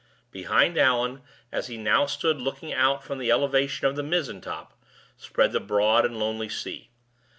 Behind Allan, as he now stood looking out from the elevation of the mizzen top, spread the broad and lonely sea.